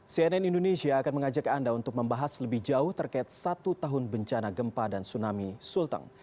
cnn indonesia akan mengajak anda untuk membahas lebih jauh terkait satu tahun bencana gempa dan tsunami sulteng